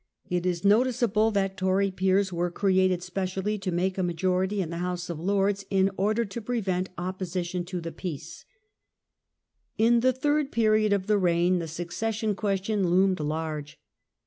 It is noticeable that Tory peers were created specially to make a majority in the House of Lords in order to pre vent opposition to the Peace. In the third period of the reign the Succession question loomed large.